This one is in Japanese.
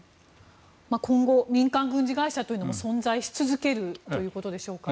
今後民間軍事会社というのも存在し続けるということでしょうか。